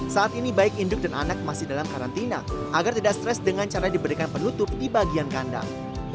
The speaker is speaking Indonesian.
saat ini baik induk dan anak masih dalam karantina agar tidak stres dengan cara diberikan penutup di bagian kandang